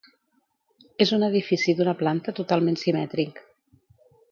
És un edifici d'una planta totalment simètric.